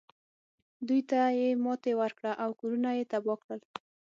دوی ته یې ماتې ورکړه او کورونه یې تباه کړل.